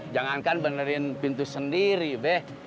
jangankan benerin pintu sendiri beh